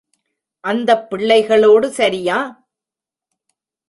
அந்தப் பிள்ளைகளோடு சரியா?